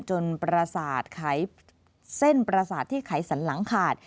จนเส้นประสาทที่ไขสันหลังขาด